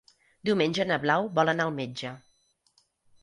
Diumenge na Blau vol anar al metge.